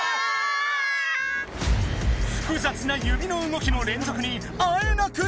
ふくざつな指のうごきのれんぞくにあえなく失敗。